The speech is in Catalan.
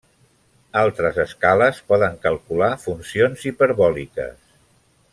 Altres escales poden calcular funcions hiperbòliques.